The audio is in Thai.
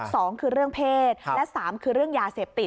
สองคือเรื่องเพศและสามคือเรื่องยาเสพติด